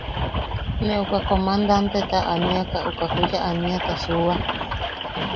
Ne uka comandanteta aniaka uka juya aniata suua.